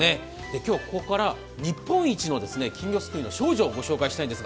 今日はここから日本一の金魚すくいの少女をご紹介します。